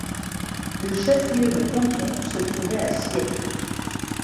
Le chef-lieu de canton se trouvait à Sciez.